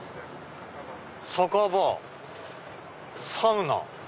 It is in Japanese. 「酒場」「サウナ」。